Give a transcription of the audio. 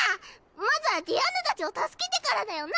まずはディアンヌたちを助けてからだよな。